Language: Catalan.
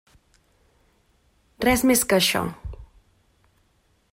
Res més que això.